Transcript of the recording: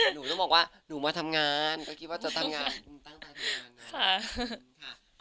หนูต้องบอกว่าหนูมาทำงานก็คิดว่าจะทำงานค่ะ